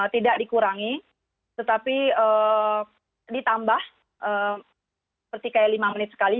tidak dikurangi tetapi ditambah seperti kayak lima menit sekali